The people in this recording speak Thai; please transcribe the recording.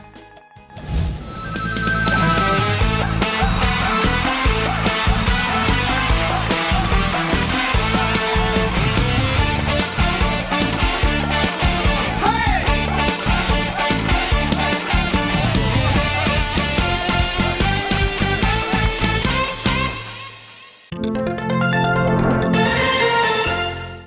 โปรดติดตามตอนต่อไป